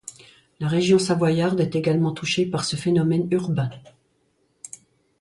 La région savoyarde est également touchée par ce phénomène urbain.